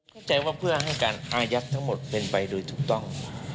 เข้าใจว่าเพื่อให้การอายัดทั้งหมดเป็นไปโดยถูกต้อง